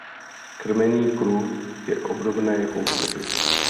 Krmení krůt je obdobné jako u slepic.